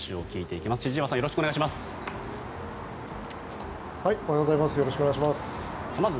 おはようございます。